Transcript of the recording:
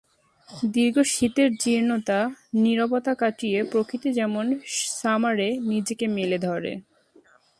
দীর্ঘ শীতের জীর্ণতা, নীরবতা কাটিয়ে প্রকৃতি যেমন সামারে নিজেকে মেলে ধরে।